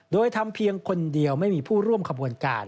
โดยทำเพียงคนเดียวไม่มีผู้ร่วมขบวนการ